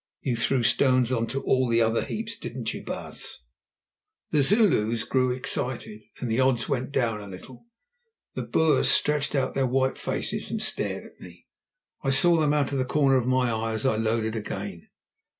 "You threw stones on to all the other heaps, didn't you, baas?" The Zulus grew excited, and the odds went down a little. The Boers stretched out their white faces and stared at me; I saw them out of the corner of my eye as I loaded again.